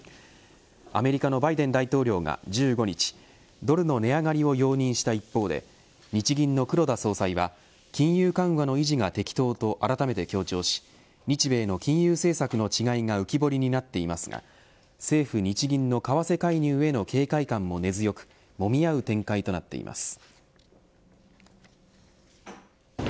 アメリカのバイデン大統領が１５日ドルの値上がりを容認した一方で日銀の黒田総裁は金融緩和の維持が適当とあらためて強調し日米の金融政策の違いが浮き彫りになっていますが政府・日銀の為替介入への警戒感も根強くもみ合う展開となっています。